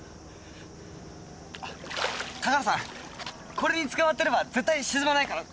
これに捕まってれば絶対に沈まないから。